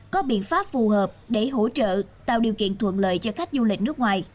có biện pháp phù hợp để hỗ trợ tạo điều kiện thuận lợi cho khách du lịch nước ngoài